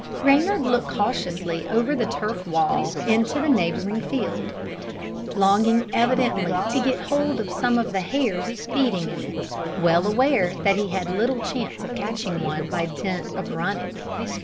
Reynard looked cautiously over the turf wall into the neighbouring field, longing evidently to get hold of some of the hares feeding in it, well aware that he had little chance of catching one by dint of running.